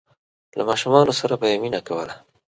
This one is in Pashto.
له ماشومانو سره به یې مینه کوله.